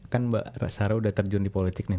kan mbak rasara udah terjun di politik nih